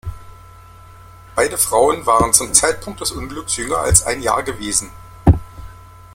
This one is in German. Beide Frauen waren zum Zeitpunkt des Unglücks jünger als ein Jahr gewesen.